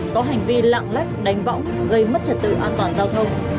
có hành vi lạng lách đánh võng gây mất trật tự an toàn giao thông